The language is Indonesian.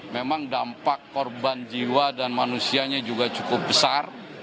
memang dampak korban jiwa dan manusianya juga cukup besar